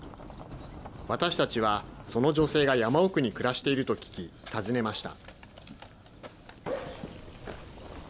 私たちはその女性が山奥に暮らしていると聞き、訪ねました。